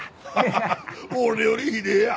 俺よりひでえや。